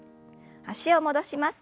脚を戻します。